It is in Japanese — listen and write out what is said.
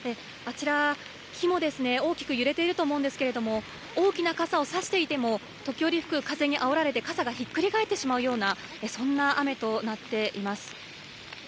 木も大きく揺れていると思うんですけれども大きな傘を差していても時折吹く風にあおられて傘がひっくり返ってしまうようなそんな雨となっています。